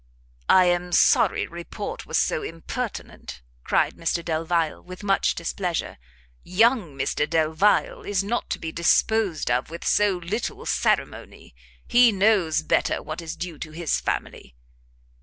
"I am sorry report was so impertinent," cried Mr Delvile, with much displeasure; "young Mr Delvile is not to be disposed of with so little ceremony; he knows better what is due to his family."